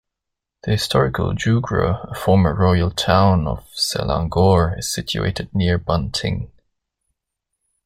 The historical Jugra, a former royal town of Selangor is situated near Banting.